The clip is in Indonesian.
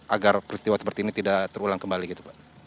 agar peristiwa seperti ini tidak terulang kembali gitu pak